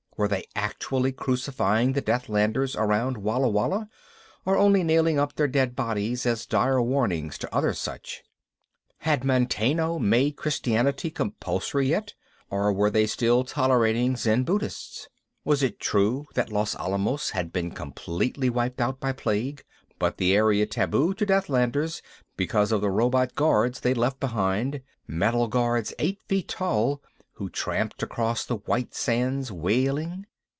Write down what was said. Were they actually crucifying the Deathlanders around Walla Walla or only nailing up their dead bodies as dire warnings to others such? Had Manteno made Christianity compulsory yet, or were they still tolerating Zen Buddhists? Was it true that Los Alamos had been completely wiped out by plague, but the area taboo to Deathlanders because of the robot guards they'd left behind metal guards eight feet tall who tramped across the white sands, wailing?